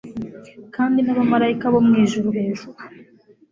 kandi n'abamarayika bo mwijuru hejuru